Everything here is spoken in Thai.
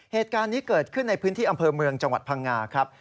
เหตุการณ์นี้เกิดขึ้นในพื้นที่อำเภอเมืองจังหวัดพังงาครับ